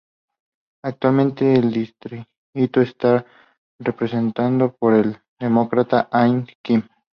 Actualmente el distrito está representado por el Demócrata Andy Kim.